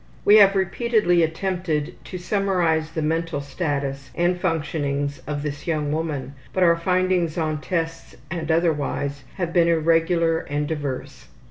We have repeatedly attempted to summarize the mental status and functionings of this young woman, but our findings on tests and otherwise have been irregular and diverse.